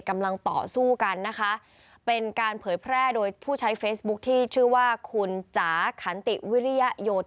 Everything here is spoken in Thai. จังหวะที่ตำรวจมาพอดีด้วยแล้วก็ดูจากภาพแล้วคิดว่าน่าจะเป็นจังหวะที่ตำรวจมาพอดีด้วยแล้วก็ดูจากภาพแล้วคิดว่าน่าจะเป็น